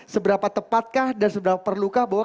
seberapa tepatkah dan seberapa perlukah bahwa